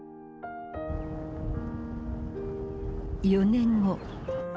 ４年後。